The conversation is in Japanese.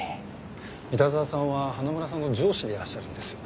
三田沢さんは花村さんの上司でいらっしゃるんですよね。